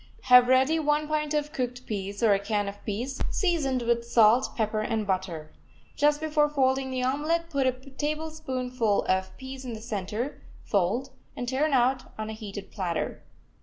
Have ready one pint of cooked peas, or a can of peas, seasoned with salt, pepper and butter. Just before folding the omelet put a tablespoonful of peas in the center, fold, and turn out on a heated platter.